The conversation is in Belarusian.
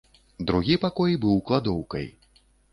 Другі пакой быў кладоўкай.